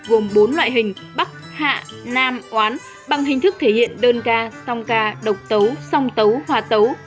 gồm bốn loại hình bắc hạ nam oán bằng hình thức thể hiện đơn ca song ca độc tấu song tấu hòa tấu